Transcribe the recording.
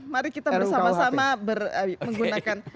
mari kita bersama sama menggunakan